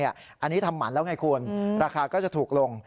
อันนี้ทำหมันแล้วไงคุณราคาก็จะถูกลง